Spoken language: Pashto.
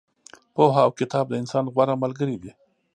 پوهه او کتاب د انسان غوره ملګري دي.